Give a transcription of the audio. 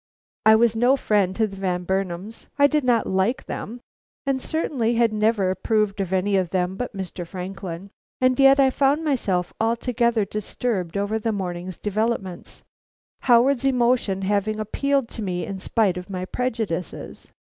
I was no friend to the Van Burnams; I did not like them, and certainly had never approved of any of them but Mr. Franklin, and yet I found myself altogether disturbed over the morning's developments, Howard's emotion having appealed to me in spite of my prejudices.